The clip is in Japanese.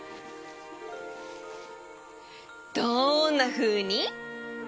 どんなふうに？